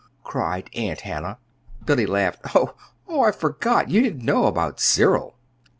_" cried Aunt Hannah. Billy laughed. "Oh, I forgot. You didn't know about Cyril."